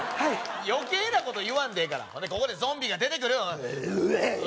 余計なこと言わんでええからここでゾンビが出てくるウワーウ！